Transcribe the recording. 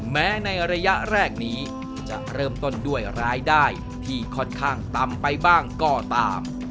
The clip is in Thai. แม้ในระยะแรกนี้จะเริ่มต้นด้วยรายได้ที่ค่อนข้างต่ำไปบ้างก็ตาม